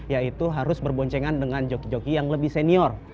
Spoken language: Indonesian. yaitu harus berboncengan dengan joki joki yang lebih senior